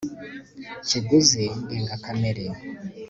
kiguzi ndengakamere